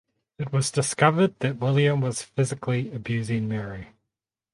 It was discovered that William was physically abusing Mary.